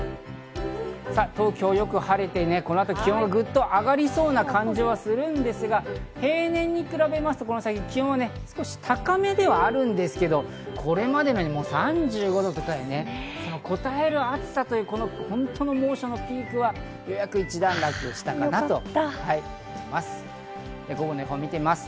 東京、よく晴れてこの後、気温がぐっと上がりそうな感じもするんですが、平年に比べまして、この先、気温は少し高めではあるんですけど、これまでのように３５度というようなこたえる暑さ、本当の猛暑のピークはようやく一段落したかなと思います。